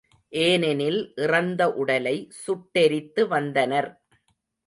ஏனெனில் இறந்த உடலை சுட்டெரித்து வந்தனர்.